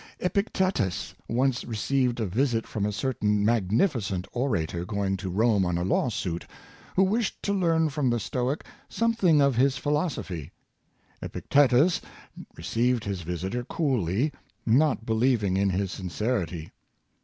Epictetus once received a visit from a certain mag nificent orator going to Rome on a lawsuit, who wished to learn from the Stoic something of his philosophy. Epictetus received his visitor coolly, not believing in his sincerity.